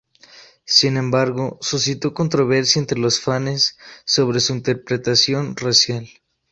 Sin embargo, suscitó controversia entre los fanes sobre su interpretación racial.